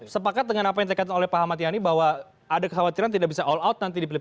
sepakat dengan apa yang dikatakan oleh pak ahmad yani bahwa ada kekhawatiran tidak bisa all out nanti di pilpres dua ribu